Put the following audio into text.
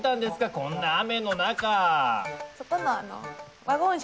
こんな雨の中で。